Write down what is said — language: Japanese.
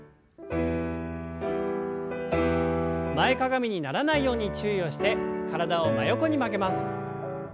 前かがみにならないように注意をして体を真横に曲げます。